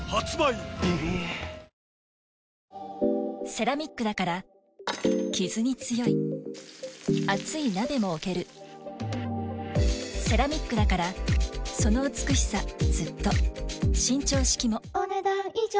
セラミックだからキズに強い熱い鍋も置けるセラミックだからその美しさずっと伸長式もお、ねだん以上。